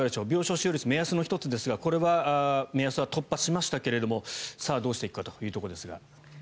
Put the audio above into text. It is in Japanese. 病床使用率、目安の１つですがこれは目安は突破しましたがどうしていくかというところですが。